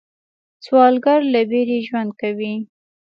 سوالګر له ویرې ژوند کوي